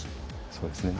そうですね。